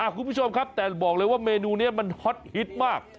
คุณผู้ชมครับแต่บอกเลยว่าเมนูนี้มันฮอตฮิตมาก